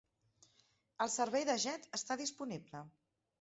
El servei de jet està disponible.